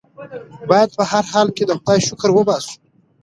بايد په هر حال کې د خدای شکر وباسو.